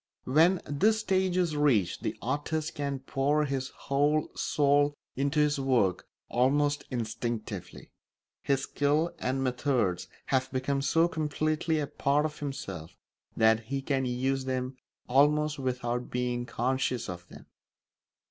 When this stage is reached the artist can pour his whole soul into his work almost instinctively; his skill and methods have become so completely a part of himself that he can use them almost without being conscious of them.